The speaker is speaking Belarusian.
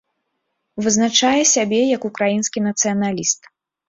Вызначае сябе як украінскі нацыяналіст.